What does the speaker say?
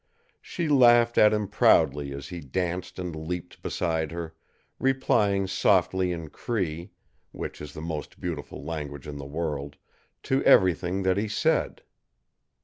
She laughed at him proudly as he danced and leaped beside her, replying softly in Cree, which is the most beautiful language in the world, to everything that he said.